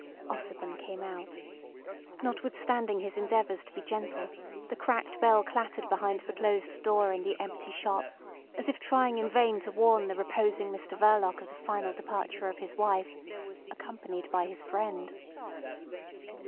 Ossipon came out. Notwithstanding his endeavours to be gentle, the cracked bell clattered behind the closed door in the empty shop, as if trying in vain to warn the reposing Mr Verloc of the final departure of his wife—accompanied by his friend.